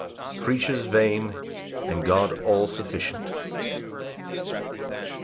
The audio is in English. Creatures vain, and God all sufficient.